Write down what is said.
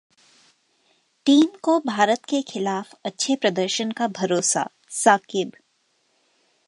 team को भारत के खिलाफ अच्छे प्रदर्शन का भरोसा: साकिब